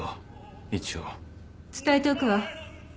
伝えておくわ。